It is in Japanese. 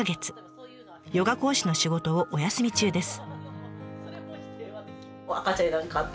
ヨガ講師の仕事をお休み中です。